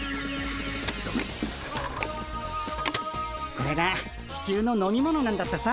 これがチキュウの飲み物なんだってさ。